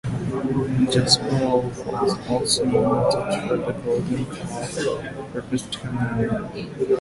Jasper Wolf was also nominated for the Golden Calf for Best Camera award.